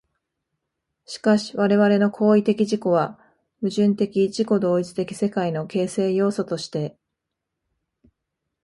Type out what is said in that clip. しかし我々の行為的自己は、矛盾的自己同一的世界の形成要素として、